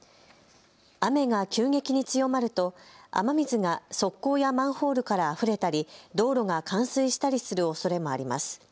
雨が急激に強まると雨水が側溝やマンホールからあふれたり道路が冠水したりするおそれもあります。